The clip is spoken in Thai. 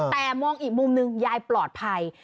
แต่มองอีกมุมหนึ่งยายปลอดภัย